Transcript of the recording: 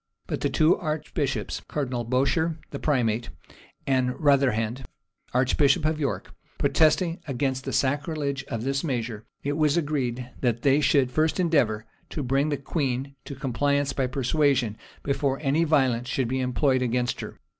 But the two archbishops, Cardinal Bourchier, the primate, and Rotherhand, archbishop of York, protesting against the sacrilege of this measure, it was agreed that they should first endeavor to bring the queen to compliance by persuasion, before any violence should be employed against her.